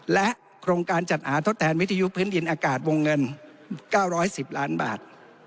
โครงการจัดหาทดแทนวิทยุพื้นดินอากาศวงเงิน๙๑๐ล้านบาท